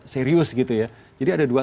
serius gitu ya jadi ada dua